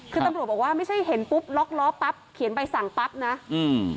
คือตำรวจบอกว่าไม่ใช่เห็นปุ๊บล็อกล้อปั๊บเขียนใบสั่งปั๊บนะอืม